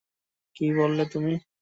কী বললে তুমি?